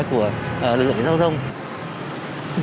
của lực lượng giao thông